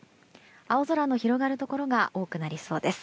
青空の広がるところが多くなりそうです。